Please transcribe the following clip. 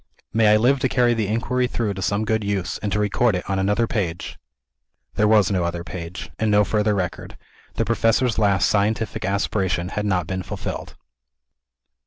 May I live to carry the inquiry through to some good use, and to record it on another page!" There was no other page, and no further record. The Professor's last scientific aspiration had not been fulfilled.